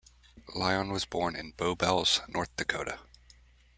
Lyon was born in Bowbells, North Dakota.